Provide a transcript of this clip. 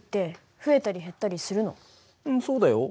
うんそうだよ。